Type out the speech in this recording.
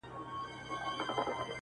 وحشت د انسان دننه پټ دی,